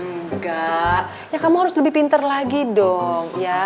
nggak ya kamu harus lebih pinter lagi dong ya